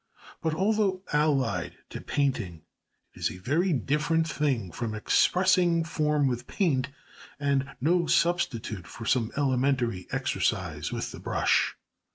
But although allied to painting, it is a very different thing from expressing form with paint, and no substitute for some elementary exercise with the brush.